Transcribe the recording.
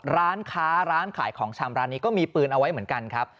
ร้านค้าร้านขายของชำร้านนี้ก็มีปืนเอาไว้เหมือนกันครับ